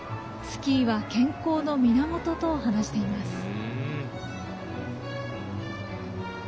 スキーは健康の源と話しています。